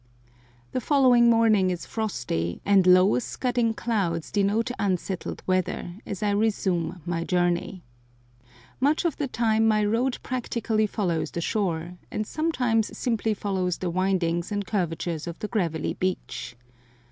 The following morning is frosty, and low, scudding clouds denote unsettled weather, as I resume my journey. Much of the time my road practically follows the shore, and sometimes simply follows the windings and curvatures of the gravelly beach.